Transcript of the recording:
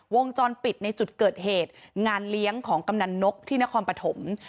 วงจรปิดในจุดเกิดเหตุงานเลี้ยงของกำนันนกที่นครปฐม